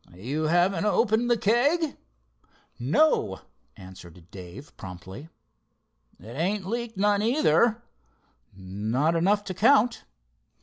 "You haven't opened the keg?" "No," answered Dave, promptly. "It ain't leaked none either?" "Not enough to count."